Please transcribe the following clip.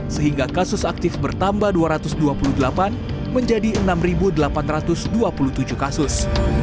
sehingga kasus aktif bertambah dua ratus dua puluh delapan menjadi enam delapan ratus dua puluh tujuh kasus